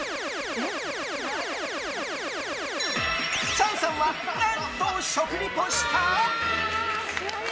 チャンさんは何と食リポした？